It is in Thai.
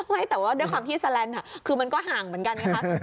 ไม่แต่ว่าด้วยความที่แสลนด์คือมันก็ห่างเหมือนกันไงคะ